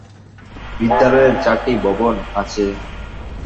বিদ্যালয়ের চারটি ভবন আছে।